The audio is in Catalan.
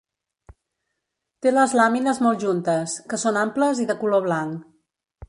Té les làmines molt juntes, que són amples i de color blanc.